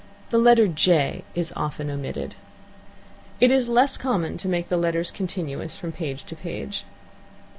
The letter "j" is often omitted. It is less common to make the letters continuous from page to page.